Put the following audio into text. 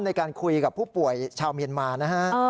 ในการคุยกับผู้ป่วยชาวเมียนมานะฮะ